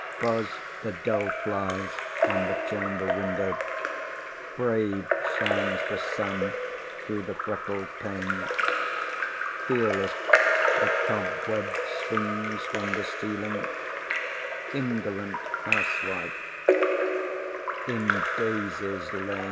Buzz the dull flies on the chamber window; Brave shines the sun through the freckled pane; Fearless the cobweb swings from the ceiling Indolent housewife, in daisies lain!